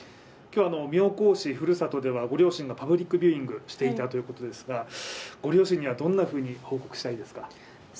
今日は妙高市、ふるさとではご両親がパブリックビューイングしていたということですがご両親にはどんなふうに報告をしたいですか。